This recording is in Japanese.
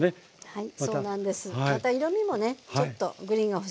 はい。